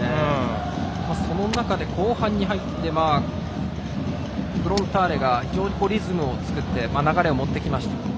その中で、後半に入ってフロンターレが非常にリズムを作って流れをもってきました。